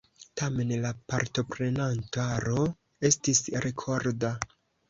Tamen la partoprenantaro estis rekorda.